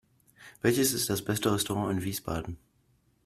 Welches ist das beste Restaurant in Wiesbaden?